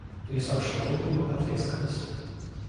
Пересохшие губы его потрескались.